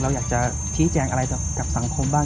เราอยากจะชี้แจงอะไรกับสังคมบ้าง